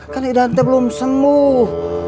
kan idante belum sembuh